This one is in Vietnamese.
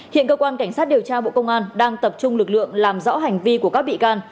hiện cơ quan cảnh sát điều tra bộ công an đang tập trung lực lượng làm rõ hành vi của các bị can